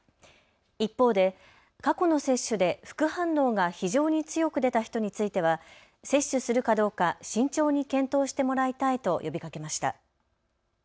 一方で過去の接種で副反応が非常に強く出た人については接種するかどうか慎重に検討してもらいたいと呼びかけました。